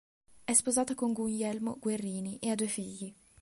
È sposata con Guglielmo Guerrini, e ha due figli.